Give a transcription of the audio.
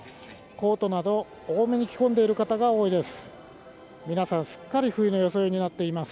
コートなど、多めに着込んでいる方が多いです。